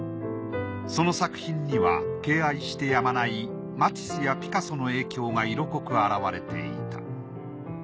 その作品には敬愛してやまないマティスやピカソの影響が色濃く表れていた。